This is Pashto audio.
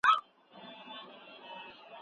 پوهه د ژوند کیفیت ښه کوي.